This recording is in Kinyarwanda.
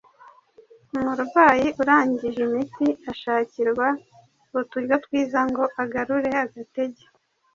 Umurwayi urangije imiti ashakirwa uturyo twiza ngo agarure agatege.